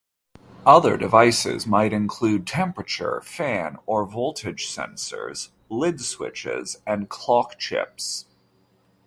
Other devices might include temperature, fan or voltage sensors, lid switches and clock chips.